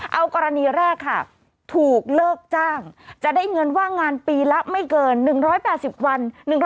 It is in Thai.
เอากรณีแรกค่ะถูกเลิกจ้างจะได้เงินว่างงานปีละไม่เกิน๑๘๐วัน